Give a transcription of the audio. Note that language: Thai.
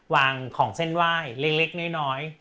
วางของเส้นไหว้เล็กน้อย